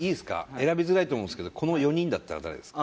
選びづらいと思うんですけどこの４人だったら誰ですか？